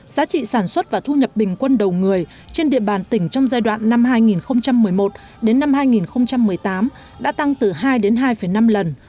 giá trị sản xuất và thu nhập bình quân đầu người trên địa bàn tỉnh trong giai đoạn năm hai nghìn một mươi một đến năm hai nghìn một mươi tám đã tăng từ hai đến hai năm lần